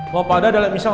bapak ada ada lap misal gak